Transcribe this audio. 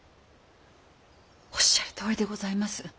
おっしゃるとおりでございます。